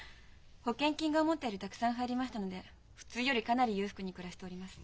保険金が思ったよりたくさん入りましたので普通よりかなり裕福に暮らしております。